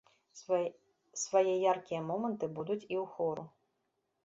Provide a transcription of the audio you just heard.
Свае яркія моманты будуць і ў хору.